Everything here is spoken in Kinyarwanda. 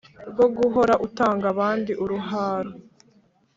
Rwo guhora utanga abandi uruharo.